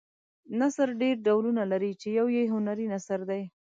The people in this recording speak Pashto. نثر ډېر ډولونه لري چې یو یې هنري نثر دی.